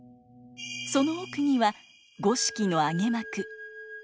その奥には五色の揚幕。